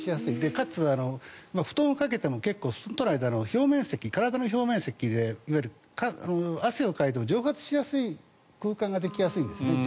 かつ、布団をかけても体の表面積でいわゆる汗をかいても蒸発しやすい空間ができやすいんですね。